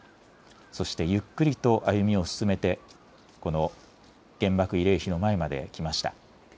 そしてゆっくりと歩みを進めてこの原爆慰霊碑の前まで来ました。